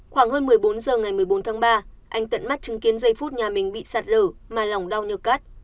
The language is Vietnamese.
khoảng hơn một mươi bốn giờ ngày một mươi bốn tháng ba anh tận mắt chứng kiến giây phút nhà mình bị sạt lở mà lòng đau như cắt